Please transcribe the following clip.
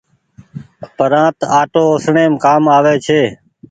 پرانت آٽو اُسڻيم ڪآم آوي ڇي۔